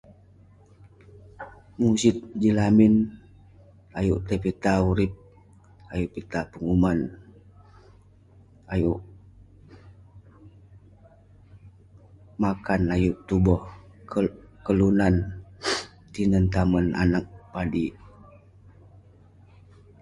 Musit jin lamik ayuk tai pitah urip, ayuk pitah penguman, ayuk makan ayuk petuboh kelunan tinen tamen, anag, padik